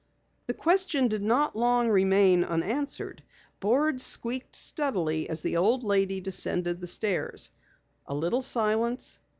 The question did not long remain unanswered. Boards squeaked steadily as the old lady descended the stairs. A little silence.